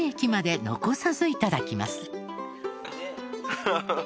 ハハハハ！